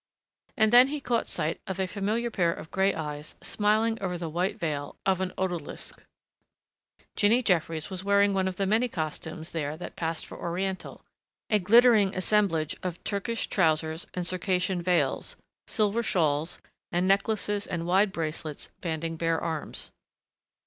And then he caught sight of a familiar pair of gray eyes smiling over the white veil of an odalisque. Jinny Jeffries was wearing one of the many costumes there that passed for Oriental, a glittering assemblage of Turkish trousers and Circassian veils, silver shawls and necklaces and wide bracelets banding bare arms.